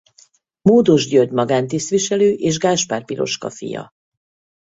Módos György magántisztviselő és Gáspár Piroska fia.